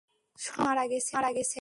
সম্রাট মারা গেছে!